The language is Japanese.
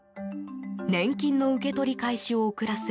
年金の受け取り開始を遅らせ